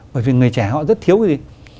bởi vì người trẻ họ rất thiếu cái gì